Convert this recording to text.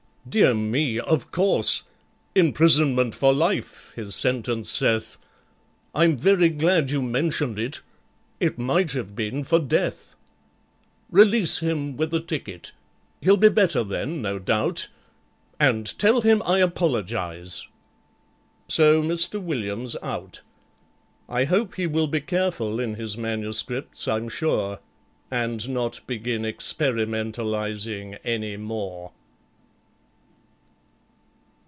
Dear me, of course! Imprisonment for Life his sentence saith: I'm very glad you mentioned it—it might have been For Death! "Release him with a ticket—he'll be better then, no doubt, And tell him I apologize." So MISTER WILLIAM'S out. I hope he will be careful in his manuscripts, I'm sure, And not begin experimentalizing any more.